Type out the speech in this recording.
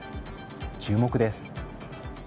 注目です。